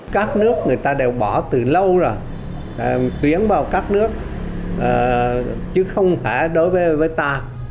các nước người ta đều bỏ từ lâu rồi tuyến vào các nước chứ không thể đối với ta